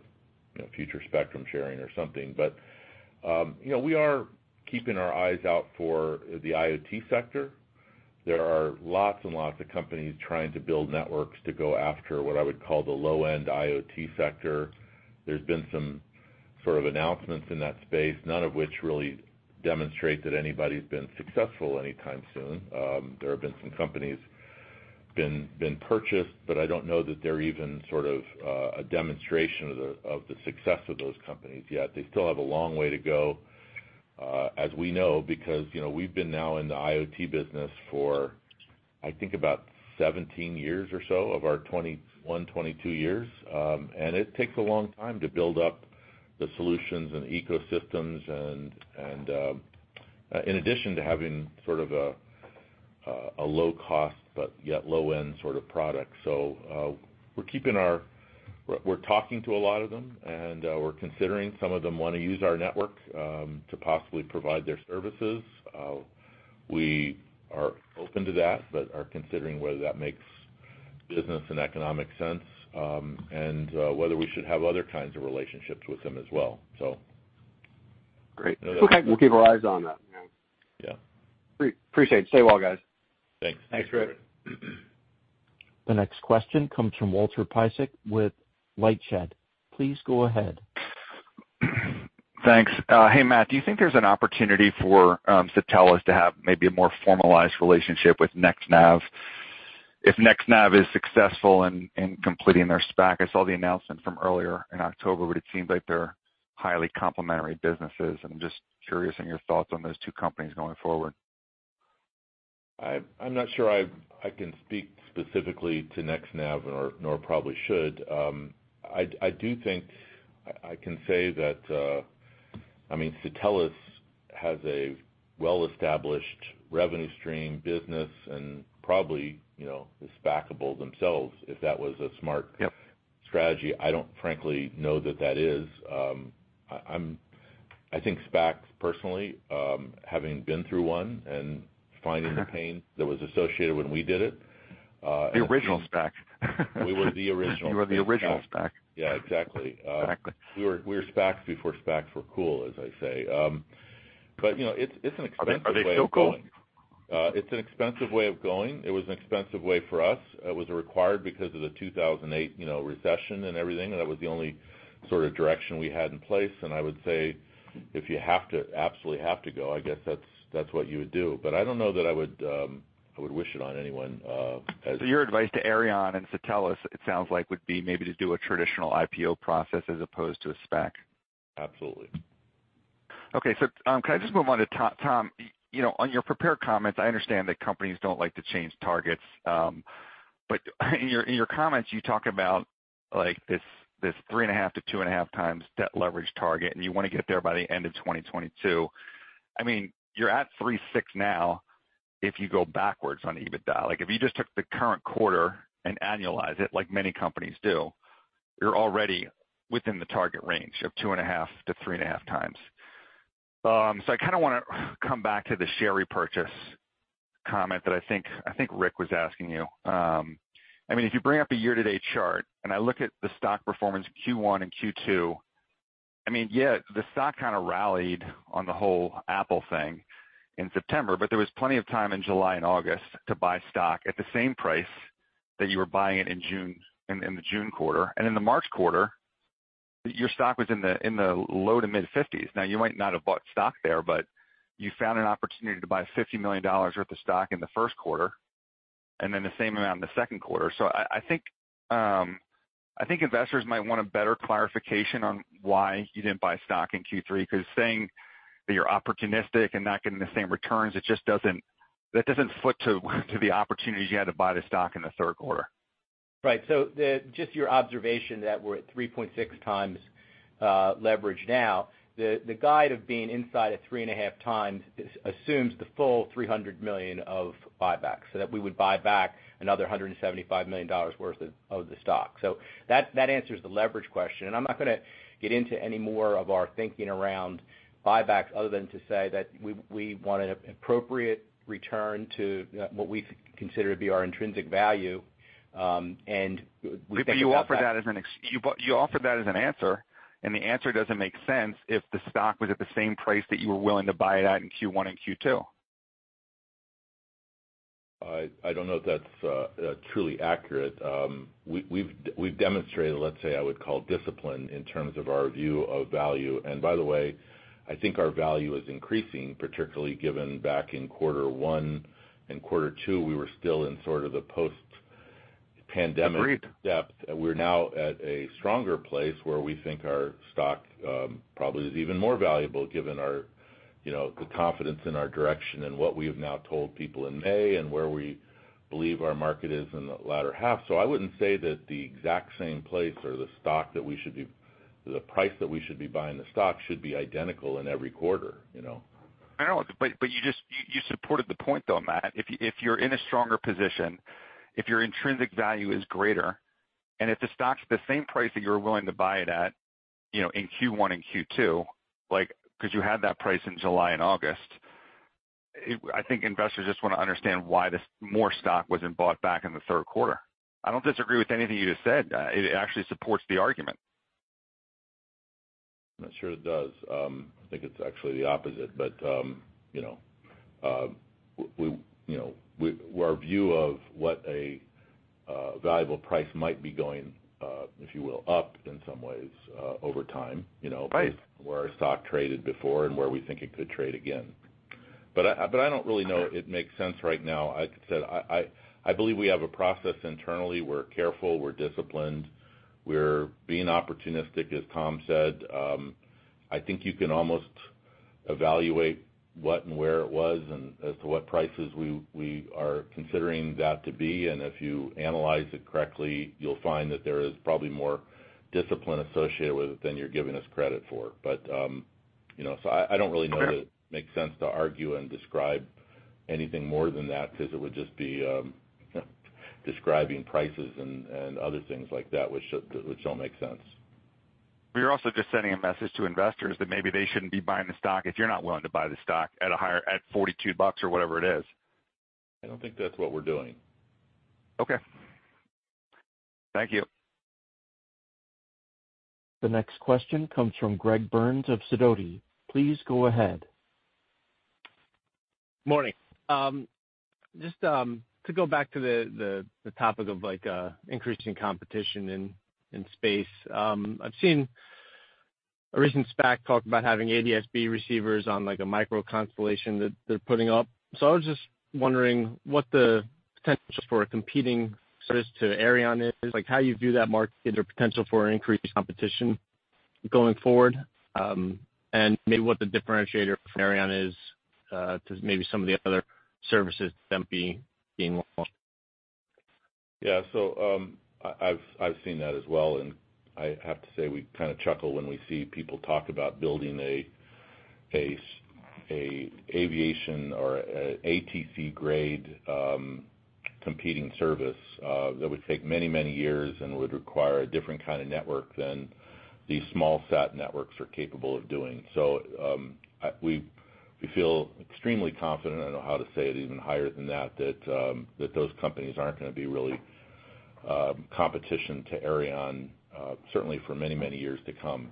future spectrum sharing or something. We are keeping our eyes out for the IoT sector. There are lots and lots of companies trying to build networks to go after what I would call the low-end IoT sector. There's been some sort of announcements in that space, none of which really demonstrate that anybody's been successful anytime soon. There have been some companies been purchased, but I don't know that they're even sort of a demonstration of the success of those companies yet. They still have a long way to go, as we know, because we've been now in the IoT business for, I think about 17 years or so of our 21, 22 years. It takes a long time to build up the solutions and ecosystems, in addition to having sort of a low cost, but yet low end sort of product. We're talking to a lot of them, and we're considering some of them want to use our network to possibly provide their services. We are open to that, but are considering whether that makes business and economic sense, and whether we should have other kinds of relationships with them as well. Great. Okay. We'll keep our eyes on that. Yeah. Appreciate it. Stay well, guys. Thanks. Thanks, Ric. The next question comes from Walter Piecyk with LightShed Partners. Please go ahead. Thanks. Hey, Matt, do you think there's an opportunity for Satelles to have maybe a more formalized relationship with NextNav? If NextNav is successful in completing their SPAC, I saw the announcement from earlier in October, it seems like they're highly complementary businesses. I'm just curious in your thoughts on those two companies going forward. I'm not sure I can speak specifically to NextNav, nor probably should. I do think I can say that Satelles has a well-established revenue stream business and probably is SPAC-able themselves, if that was a. Yep strategy. I don't frankly know that that is. I think SPACs personally, having been through one and finding the pain that was associated when we did it. The original SPAC. We were the original. You were the original SPAC. Yeah, exactly. Exactly. We were SPACs before SPACs were cool, as I say. It's an expensive way of going. Are they still cool? It's an expensive way of going. It was an expensive way for us. It was required because of the 2008 recession and everything. That was the only sort of direction we had in place. I would say, if you have to, absolutely have to go, I guess that's what you would do. I don't know that I would wish it on anyone. Your advice to Aireon and Satelles, it sounds like, would be maybe to do a traditional IPO process as opposed to a SPAC. Absolutely. Okay, can I just move on to Tom? On your prepared comments, I understand that companies don't like to change targets. In your comments, you talk about this 3.5x-2.5x debt leverage target, and you want to get there by the end of 2022. You're at 3.6 now if you go backwards on EBITDA. If you just took the current quarter and annualize it like many companies do, you're already within the target range of 2.5x-3.5x. I kind of want to come back to the share repurchase comment that I think Rick was asking you. If you bring up the year-to-date chart, and I look at the stock performance Q1 and Q2, yeah, the stock kind of rallied on the whole Apple thing in September, but there was plenty of time in July and August to buy stock at the same price that you were buying it in the June quarter. In the March quarter, your stock was in the low to mid-50s. Now, you might not have bought stock there, but you found an opportunity to buy $50 million worth of stock in the first quarter, and then the same amount in the second quarter. I think investors might want a better clarification on why you didn't buy stock in Q3, because saying that you're opportunistic and not getting the same returns, that doesn't fit to the opportunities you had to buy the stock in the third quarter. Just your observation that we're at 3.6 times leverage now. The guide of being inside at 3.5 times assumes the full $300 million of buybacks, so that we would buy back another $175 million worth of the stock. That answers the leverage question, I'm not going to get into any more of our thinking around buybacks other than to say that we want an appropriate return to what we consider to be our intrinsic value, and we think about that. You offered that as an answer, and the answer doesn't make sense if the stock was at the same price that you were willing to buy it at in Q1 and Q2. I don't know if that's truly accurate. We've demonstrated, let's say, I would call discipline in terms of our view of value. By the way, I think our value is increasing, particularly given back in quarter one and quarter two, we were still in sort of the post-pandemic depth. Agreed. We're now at a stronger place where we think our stock probably is even more valuable given the confidence in our direction and what we have now told people in May and where we believe our market is in the latter half. I wouldn't say that the exact same place or the price that we should be buying the stock should be identical in every quarter. I know. You supported the point, though, Matt. If you're in a stronger position, if your intrinsic value is greater, and if the stock's the same price that you were willing to buy it at in Q1 and Q2, because you had that price in July and August, I think investors just want to understand why this more stock wasn't bought back in the third quarter. I don't disagree with anything you just said. It actually supports the argument. I'm not sure it does. I think it's actually the opposite. Our view of what a valuable price might be going, if you will, up in some ways over time. Right where our stock traded before and where we think it could trade again. I don't really know it makes sense right now. Like I said, I believe we have a process internally. We're careful, we're disciplined. We're being opportunistic, as Tom said. I think you can almost evaluate what and where it was and as to what prices we are considering that to be. If you analyze it correctly, you'll find that there is probably more discipline associated with it than you're giving us credit for. I don't really know that it makes sense to argue and describe anything more than that, because it would just be describing prices and other things like that, which don't make sense. You're also just sending a message to investors that maybe they shouldn't be buying the stock if you're not willing to buy the stock at $42 or whatever it is. I don't think that's what we're doing. Okay. Thank you. The next question comes from Greg Burns of Sidoti. Please go ahead. Morning. Just to go back to the topic of increasing competition in space. I've seen a recent SPAC talk about having ADS-B receivers on a micro constellation that they're putting up. I was just wondering what the potential for a competing service to Aireon is. How you view that market? Is there potential for increased competition going forward? Maybe what the differentiator for Aireon is to maybe some of the other services that might be being launched. Yeah. I've seen that as well, and I have to say, we kind of chuckle when we see people talk about building an aviation or ATC-grade competing service. That would take many, many years and would require a different kind of network than these SmallSat networks are capable of doing. We feel extremely confident. I don't know how to say it even higher than that those companies aren't going to be really competition to Aireon, certainly for many, many years to come.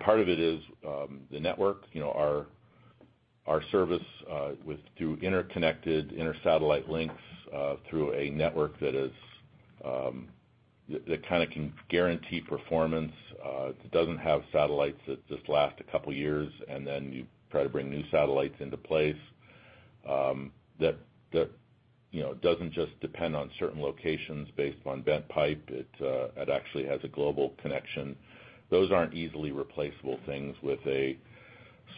Part of it is the network. Our service through interconnected inter-satellite links through a network that kind of can guarantee performance, that doesn't have satellites that just last a couple of years, and then you try to bring new satellites into place. That doesn't just depend on certain locations based on bent pipe. It actually has a global connection. Those aren't easily replaceable things with a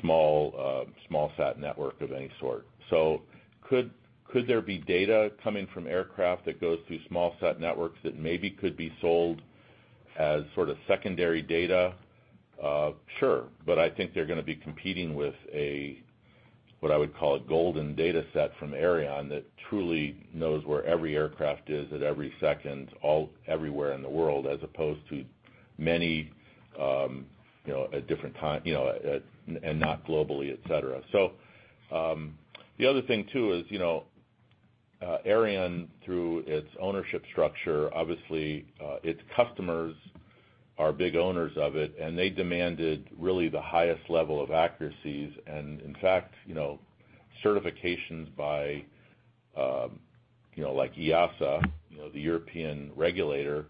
SmallSat network of any sort. Could there be data coming from aircraft that goes through SmallSat networks that maybe could be sold as secondary data? Sure. I think they're going to be competing with a, what I would call, a golden data set from Aireon that truly knows where every aircraft is at every second, everywhere in the world, as opposed to many at different times, and not globally, et cetera. The other thing too is, Aireon, through its ownership structure, obviously, its customers are big owners of it, and they demanded really the highest level of accuracies. In fact, certifications by EASA, the European regulator,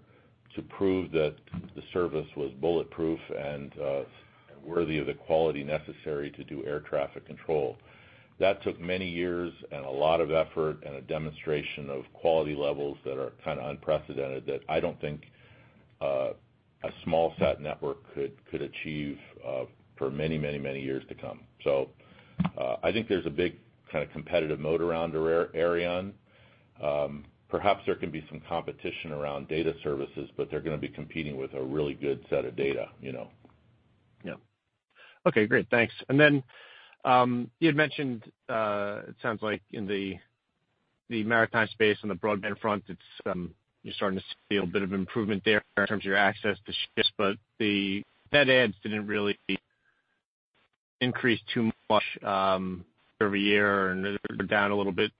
to prove that the service was bulletproof and worthy of the quality necessary to do air traffic control. That took many years and a lot of effort and a demonstration of quality levels that are kind of unprecedented that I don't think a SmallSat network could achieve for many years to come. I think there's a big kind of competitive mode around Aireon. Perhaps there can be some competition around data services, but they're going to be competing with a really good set of data. Yeah. Okay, great. Thanks. You had mentioned, it sounds like in the maritime space and the broadband front, you're starting to see a bit of improvement there in terms of your access to ships, but the net adds didn't really increase too much over a year and they're down a little bit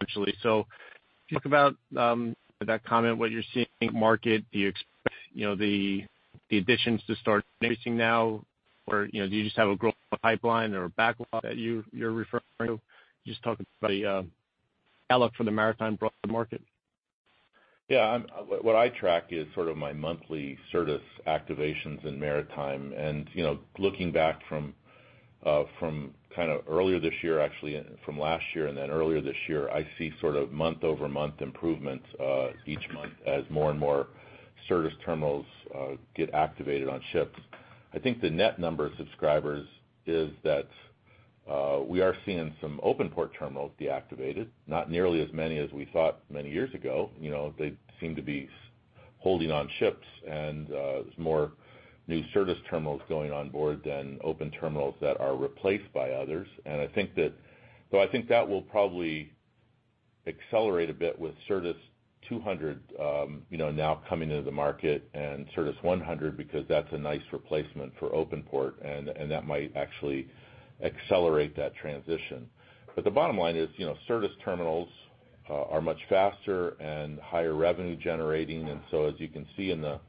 sequentially. Talk about that comment, what you're seeing in the market. Do you expect the additions to start increasing now? Do you just have a growth pipeline or a backlog that you're referring to? Just talking about the outlook for the maritime broadband market. Yeah. What I track is sort of my monthly Certus activations in maritime. Looking back from earlier this year, actually from last year and then earlier this year, I see sort of month-over-month improvements each month as more and more Certus terminals get activated on ships. I think the net number of subscribers is that we are seeing some OpenPort terminals deactivated, not nearly as many as we thought many years ago. They seem to be holding on ships, and there's more new Certus terminals going on board than OpenPort terminals that are replaced by others. I think that will probably accelerate a bit with Certus 200 now coming into the market and Certus 100, because that's a nice replacement for OpenPort, and that might actually accelerate that transition. The bottom line is, Certus terminals are much faster and higher revenue generating. As you can see in the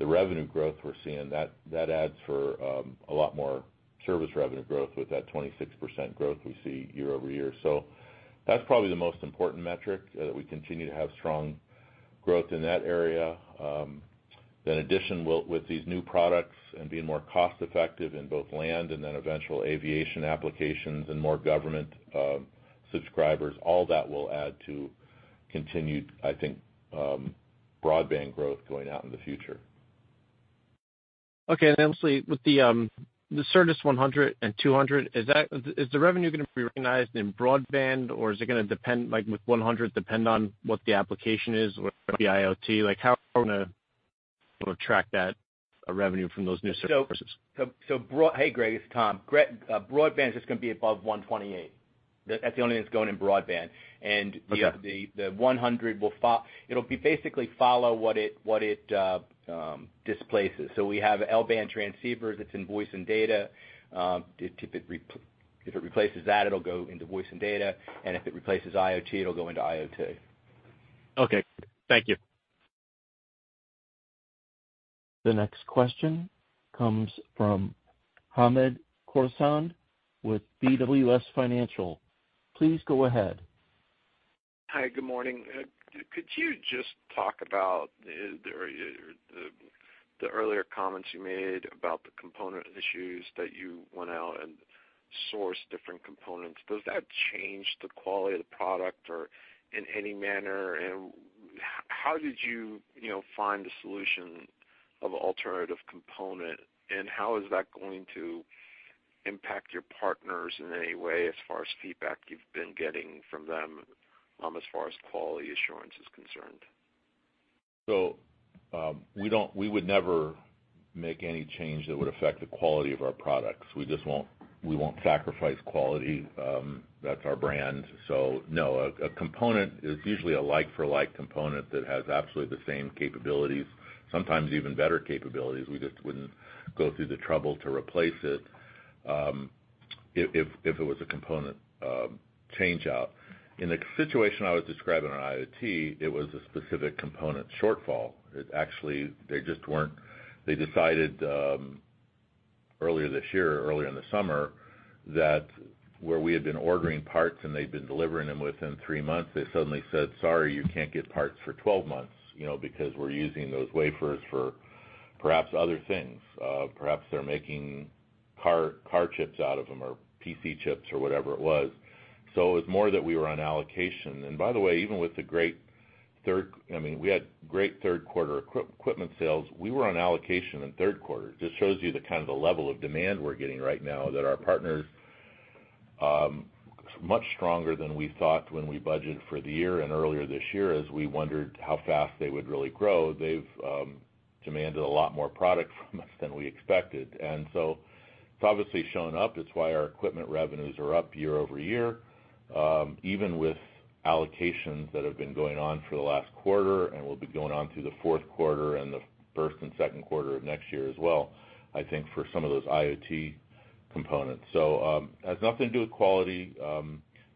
revenue growth we're seeing, that adds for a lot more service revenue growth with that 26% growth we see year-over-year. That's probably the most important metric, that we continue to have strong growth in that area. Addition with these new products and being more cost-effective in both land and then eventual aviation applications and more government subscribers, all that will add to continued, I think, broadband growth going out in the future. Okay. Obviously with the Iridium Certus 100 and 200, is the revenue going to be recognized in broadband or is it going to depend, like with 100, depend on what the application is or the IoT? How are we going to track that revenue from those new services? Hey, Greg, it's Tom. Greg, broadband's just going to be above 128. That's the only thing that's going in broadband. Okay. The 100 will, it'll basically follow what it displaces. We have L-band transceivers that's in voice and data. If it replaces that, it'll go into voice and data, and if it replaces IoT, it'll go into IoT. Okay. Thank you. The next question comes from Hamed Khorsand with BWS Financial. Please go ahead. Hi, good morning. Could you just talk about the earlier comments you made about the component issues, that you went out and sourced different components? Does that change the quality of the product or in any manner? How did you find a solution of alternative component, and how is that going to impact your partners in any way as far as feedback you've been getting from them as far as quality assurance is concerned? We would never make any change that would affect the quality of our products. We just won't sacrifice quality. That's our brand. No, a component is usually a like-for-like component that has absolutely the same capabilities, sometimes even better capabilities. We just wouldn't go through the trouble to replace it if it was a component change-out. In the situation I was describing on IoT, it was a specific component shortfall. They decided, earlier this year, earlier in the summer, that where we had been ordering parts and they'd been delivering them within three months, they suddenly said, "Sorry, you can't get parts for 12 months because we're using those wafers for perhaps other things." Perhaps they're making car chips out of them or PC chips or whatever it was. It was more that we were on allocation. By the way, even with the great I mean, we had great third quarter equipment sales. We were on allocation in third quarter. Just shows you the kind of the level of demand we're getting right now that our partners, much stronger than we thought when we budgeted for the year and earlier this year, as we wondered how fast they would really grow. They've demanded a lot more product from us than we expected. It's obviously shown up. It's why our equipment revenues are up year-over-year, even with allocations that have been going on for the last quarter and will be going on through the fourth quarter and the first and second quarter of next year as well, I think for some of those IoT components. Has nothing to do with quality.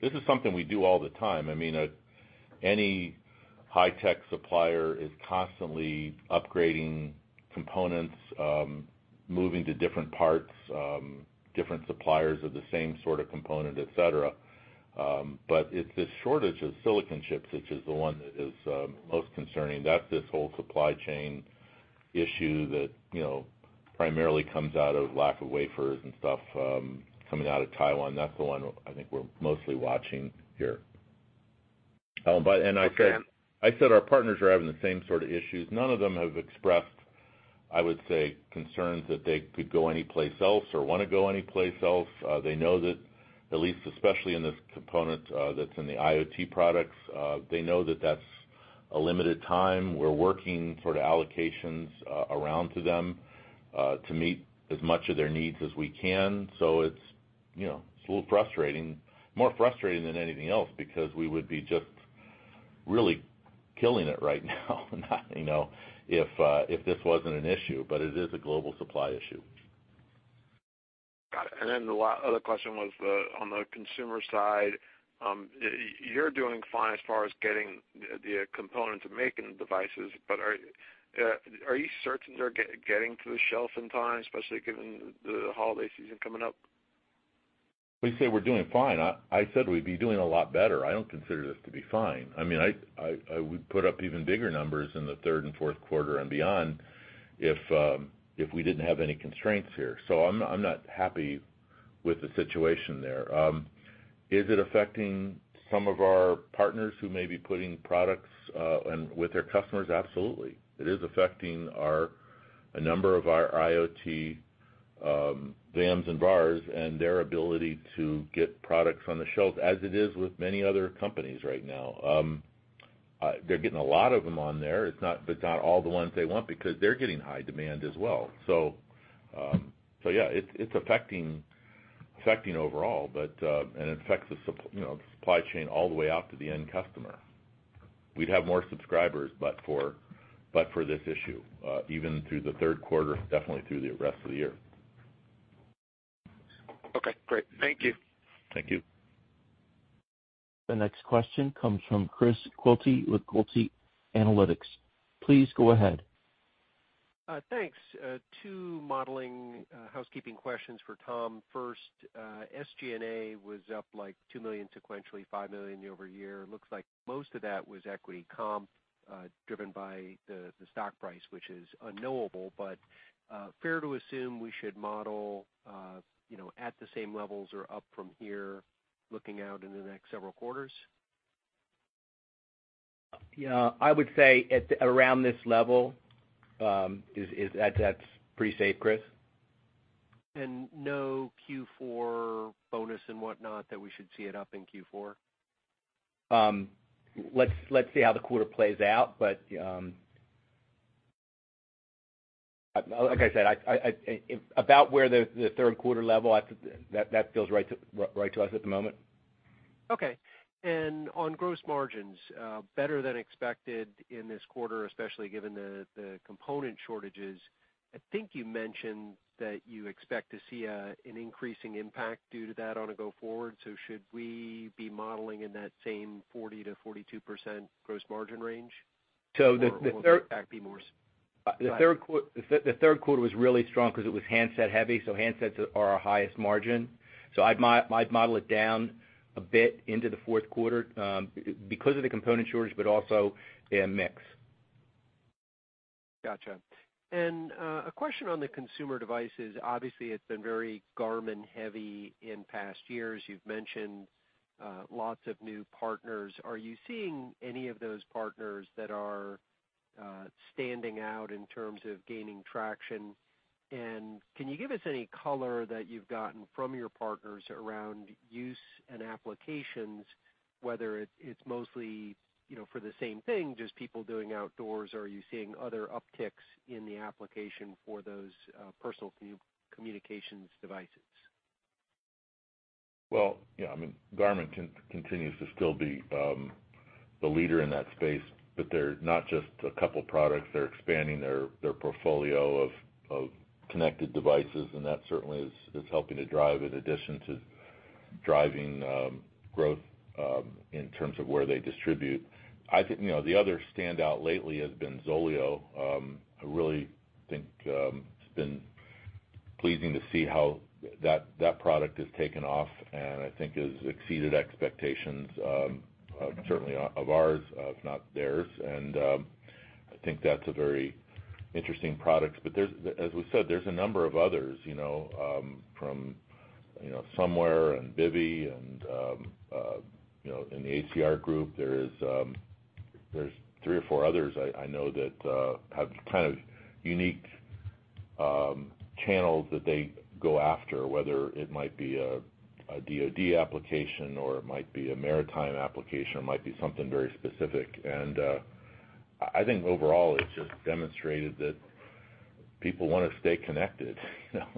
This is something we do all the time. I mean, any high-tech supplier is constantly upgrading components, moving to different parts, different suppliers of the same sort of component, et cetera. It's this shortage of silicon chips, which is the one that is most concerning. That's this whole supply chain issue that primarily comes out of lack of wafers and stuff coming out of Taiwan. That's the one I think we're mostly watching here. Okay. I said our partners are having the same sort of issues. None of them have expressed, I would say, concerns that they could go anyplace else or want to go anyplace else. They know that at least especially in this component that's in the IoT products, they know that that's a limited time. We're working sort of allocations around to them, to meet as much of their needs as we can. It's a little frustrating, more frustrating than anything else because we would be just really killing it right now, if this wasn't an issue, but it is a global supply issue. Got it. The other question was on the consumer side, you're doing fine as far as getting the components and making the devices, but are you certain they're getting to the shelf in time, especially given the holiday season coming up? When you say we're doing fine, I said we'd be doing a lot better. I don't consider this to be fine. I mean, we'd put up even bigger numbers in the third and fourth quarter and beyond if we didn't have any constraints here. I'm not happy with the situation there. Is it affecting some of our partners who may be putting products with their customers? Absolutely. It is affecting a number of our IoT VAMs and VARs and their ability to get products on the shelf as it is with many other companies right now. They're getting a lot of them on there. It's not all the ones they want because they're getting high demand as well. Yeah, it's affecting overall, and it affects the supply chain all the way out to the end customer. We'd have more subscribers, but for this issue, even through the third quarter, definitely through the rest of the year. Okay, great. Thank you. Thank you. The next question comes from Chris Quilty with Quilty Analytics Please go ahead. Thanks. Two modeling housekeeping questions for Tom. First, SG&A was up like $2 million sequentially, $5 million year-over-year. Looks like most of that was equity comp, driven by the stock price, which is unknowable, but fair to assume we should model at the same levels or up from here looking out into the next several quarters? Yeah, I would say at around this level, that's pretty safe, Chris. No Q4 bonus and whatnot that we should see it up in Q4? Let's see how the quarter plays out, like I said, about where the third quarter level, that feels right to us at the moment. Okay. On gross margins, better than expected in this quarter, especially given the component shortages. I think you mentioned that you expect to see an increasing impact due to that on a go forward. Should we be modeling in that same 40%-42% gross margin range? So the third- Go ahead. The third quarter was really strong because it was handset heavy. Handsets are our highest margin. I'd model it down a bit into the fourth quarter, because of the component shortage, but also mix. Gotcha. A question on the consumer devices. Obviously, it's been very Garmin heavy in past years. You've mentioned lots of new partners. Are you seeing any of those partners that are standing out in terms of gaining traction? Can you give us any color that you've gotten from your partners around use and applications, whether it's mostly for the same thing, just people doing outdoors, or are you seeing other upticks in the application for those personal communications devices? Well, yeah, I mean, Garmin continues to still be the leader in that space, but they're not just a couple products. They're expanding their portfolio of connected devices, that certainly is helping to drive in addition to driving growth in terms of where they distribute. I think the other standout lately has been ZOLEO. I really think it's been pleasing to see how that product has taken off, I think has exceeded expectations, certainly of ours, if not theirs. I think that's a very interesting product. As we said, there's a number of others, from Somewear and Bivy and in the ACR Group, there's three or four others I know that have kind of unique channels that they go after, whether it might be a DoD application or it might be a maritime application, or it might be something very specific. I think overall, it's just demonstrated that people want to stay connected,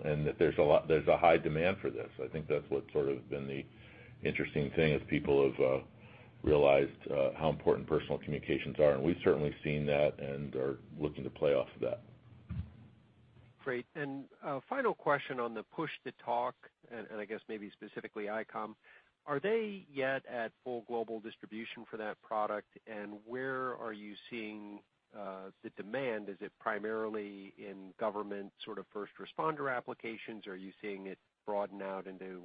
and that there's a high demand for this. I think that's what sort of been the interesting thing as people have realized how important personal communications are. We've certainly seen that and are looking to play off of that. Great. A final question on the push-to-talk, and I guess maybe specifically Icom. Are they yet at full global distribution for that product? Where are you seeing the demand? Is it primarily in government sort of first responder applications? Or are you seeing it broaden out into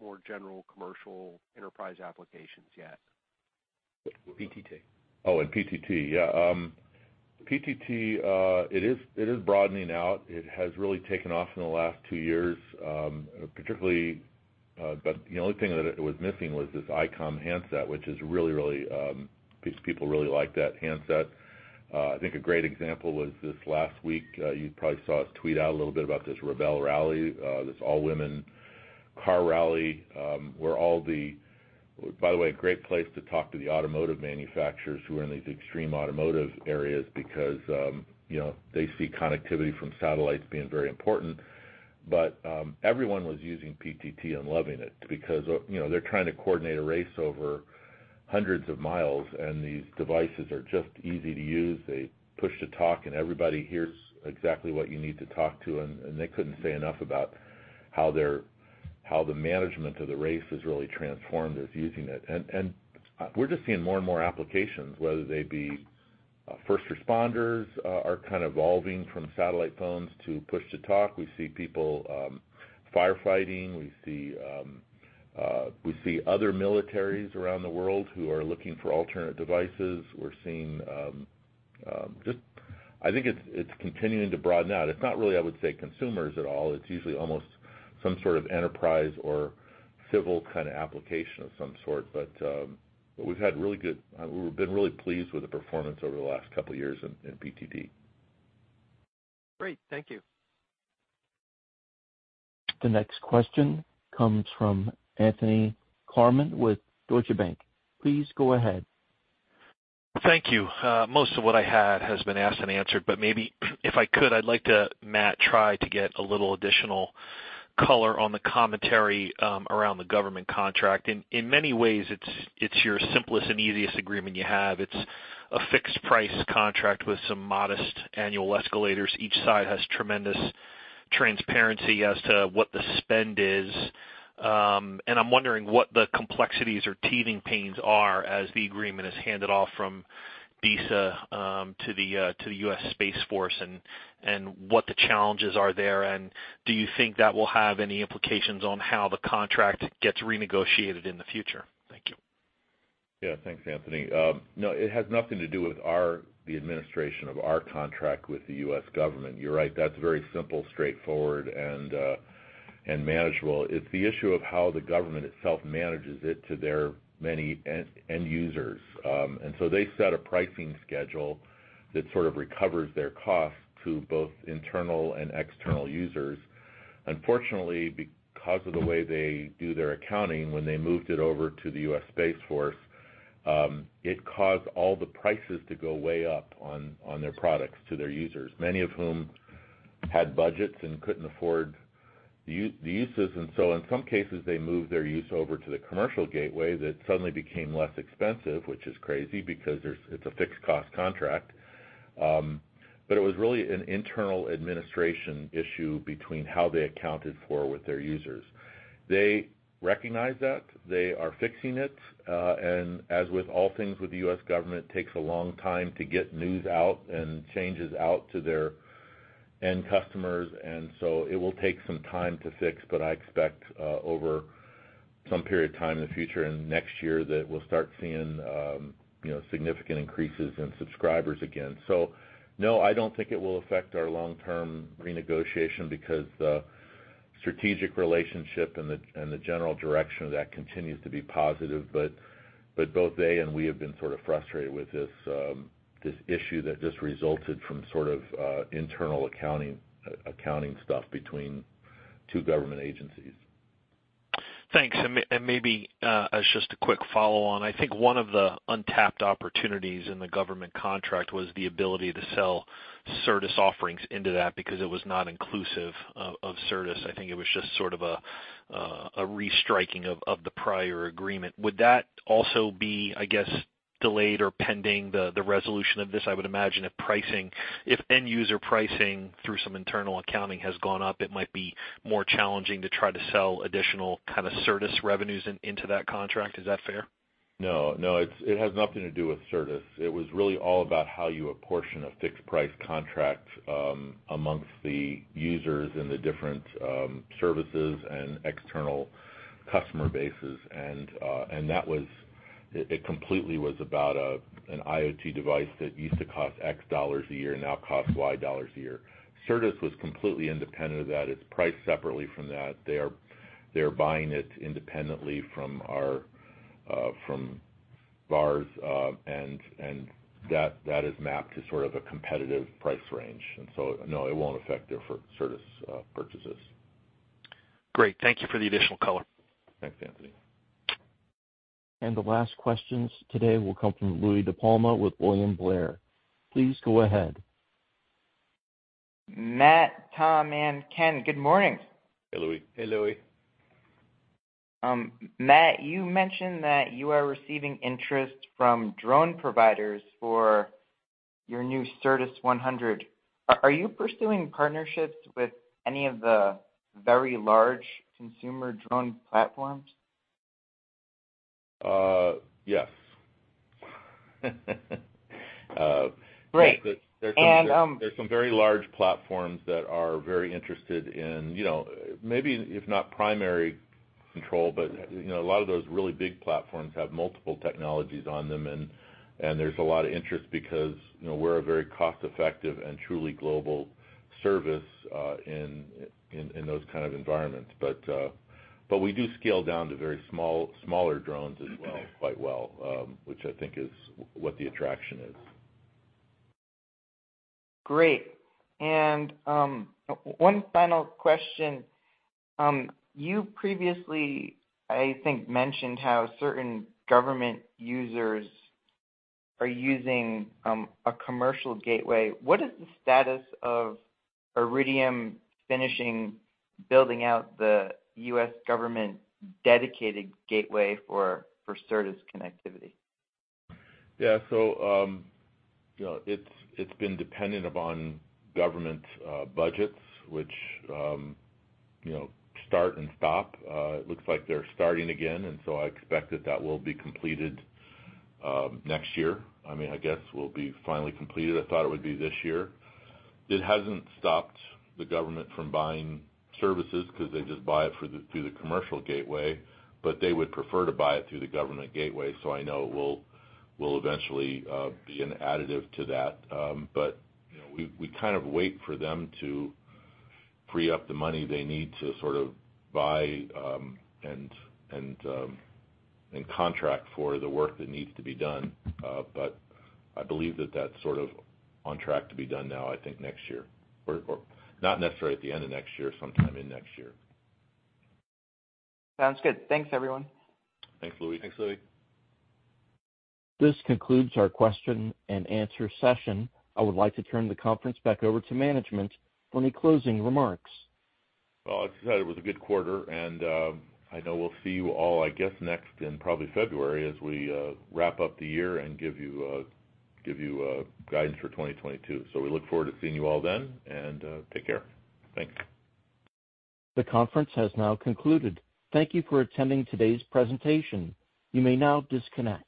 more general commercial enterprise applications yet? PTT. In PTT. PTT, it is broadening out. It has really taken off in the last two years. The only thing that it was missing was this Icom handset, which people really like that handset. I think a great example was this last week, you probably saw us tweet out a little bit about this Rebelle Rally, this all-women car rally, by the way, a great place to talk to the automotive manufacturers who are in these extreme automotive areas because they see connectivity from satellites being very important. Everyone was using PTT and loving it because they're trying to coordinate a race over hundreds of miles, and these devices are just easy to use. They push to talk, and everybody hears exactly what you need to talk to, and they couldn't say enough about how the management of the race has really transformed with using it. We're just seeing more and more applications, whether they be first responders are kind of evolving from satellite phones to Push-to-Talk. We see people firefighting. We see other militaries around the world who are looking for alternate devices. I think it's continuing to broaden out. It's not really, I would say, consumers at all. It's usually almost some sort of enterprise or civil kind of application of some sort. We've been really pleased with the performance over the last couple of years in PTT. Great. Thank you. The next question comes from Anthony Klarman with Deutsche Bank. Please go ahead. Thank you. Maybe if I could, I'd like to, Matt, try to get a little additional color on the commentary around the government contract. In many ways, it's your simplest and easiest agreement you have. It's a fixed price contract with some modest annual escalators. Each side has tremendous transparency as to what the spend is. I'm wondering what the complexities or teething pains are as the agreement is handed off from DISA to the U.S. Space Force, and what the challenges are there, and do you think that will have any implications on how the contract gets renegotiated in the future? Thank you. Thanks, Anthony. It has nothing to do with the administration of our contract with the U.S. government. You're right, that's very simple, straightforward, and manageable. It's the issue of how the government itself manages it to their many end users. They set a pricing schedule that sort of recovers their cost to both internal and external users. Unfortunately, because of the way they do their accounting, when they moved it over to the U.S. Space Force, it caused all the prices to go way up on their products to their users, many of whom had budgets and couldn't afford the uses. In some cases, they moved their use over to the commercial gateway that suddenly became less expensive, which is crazy because it's a fixed cost contract. It was really an internal administration issue between how they accounted for with their users. They recognized that. They are fixing it. As with all things with the U.S. government, takes a long time to get news out and changes out to their end customers, and so it will take some time to fix, but I expect over some period of time in the future and next year that we'll start seeing significant increases in subscribers again. No, I don't think it will affect our long-term renegotiation because the strategic relationship and the general direction of that continues to be positive. Both they and we have been sort of frustrated with this issue that just resulted from sort of internal accounting stuff between two government agencies. Thanks. Maybe as just a quick follow on, I think one of the untapped opportunities in the government contract was the ability to sell Certus offerings into that because it was not inclusive of Certus. I think it was just sort of a restriking of the prior agreement. Would that also be, I guess, delayed or pending the resolution of this? I would imagine if end user pricing through some internal accounting has gone up, it might be more challenging to try to sell additional kind of Certus revenues into that contract. Is that fair? No, it has nothing to do with Certus. It was really all about how you apportion a fixed price contract amongst the users and the different services and external customer bases. It completely was about an IoT device that used to cost x dollars a year, now costs y dollars a year. Certus was completely independent of that. It's priced separately from that. They are buying it independently from VARs, that is mapped to sort of a competitive price range. No, it won't affect their Certus purchases. Great. Thank you for the additional color. Thanks, Anthony. The last questions today will come from Louie DiPalma with William Blair. Please go ahead. Matt, Tom, and Ken, good morning. Hey, Louie. Hey, Louie. Matt, you mentioned that you are receiving interest from drone providers for your new Certus 100. Are you pursuing partnerships with any of the very large consumer drone platforms? Yes. Great. There's some very large platforms that are very interested in, maybe if not primary control, but a lot of those really big platforms have multiple technologies on them, and there's a lot of interest because we're a very cost-effective and truly global service in those kind of environments. We do scale down to very smaller drones as well, quite well, which I think is what the attraction is. Great. One final question. You previously, I think, mentioned how certain government users are using a commercial gateway. What is the status of Iridium finishing building out the U.S. government-dedicated gateway for Certus connectivity? Yeah. It's been dependent upon government budgets, which start and stop. It looks like they're starting again. I expect that that will be completed next year. I guess will be finally completed. I thought it would be this year. It hasn't stopped the government from buying services because they just buy it through the commercial gateway. They would prefer to buy it through the government gateway. I know it will eventually be an additive to that. We kind of wait for them to free up the money they need to sort of buy, and contract for the work that needs to be done. I believe that that's sort of on track to be done now, I think next year, or not necessarily at the end of next year, sometime in next year. Sounds good. Thanks, everyone. Thanks, Louie. Thanks, Louie. This concludes our question-and-answer session. I would like to turn the conference back over to management for any closing remarks. Well, I just said it was a good quarter, and I know we'll see you all, I guess, next in probably February as we wrap up the year and give you guidance for 2022. We look forward to seeing you all then, and take care. Thanks. The conference has now concluded. Thank you for attending today's presentation. You may now disconnect.